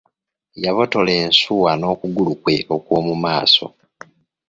Yabotola ensuwa n'okugulu kwe okw'omu maaso.